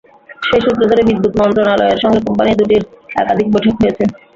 সেই সূত্র ধরে বিদ্যুৎ মন্ত্রণালয়ের সঙ্গে কোম্পানি দুটির একাধিক বৈঠক হয়েছে।